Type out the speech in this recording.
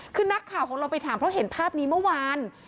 คือนักข่าวของเราไปถามเพราะเห็นภาพนี้เมื่อวาน